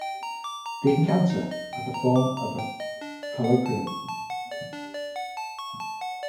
The encounter had the form of a colloquium.